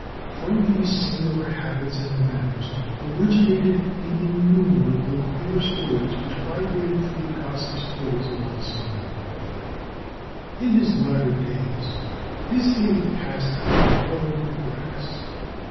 From these singular habits and manners orig inated the innumerable queer stories which vibrated through the gossips' quarters of Allsfarnia. In his latter days his favorite pastime was watering the grass.